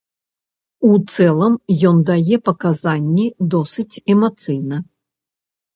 У цэлым ён дае паказанні досыць эмацыйна.